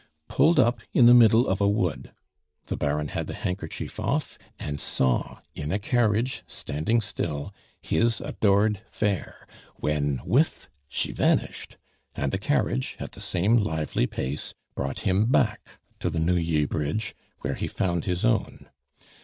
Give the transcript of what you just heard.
pulled up in the middle of a wood. The Baron had the handkerchief off, and saw, in a carriage standing still, his adored fair when, whiff! she vanished. And the carriage, at the same lively pace, brought him back to the Neuilly Bridge, where he found his own.